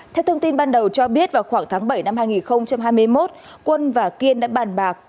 theo thông tin ban đầu cho biết vào khoảng tháng bảy năm hai nghìn hai mươi một quân và kiên đã bàn bạc